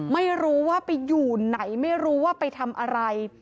ไม่รู้ว่าไปอยู่ไหนไม่รู้ว่าไปทำอะไร